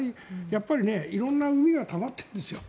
やっぱり色んなうみがたまっているんですよ。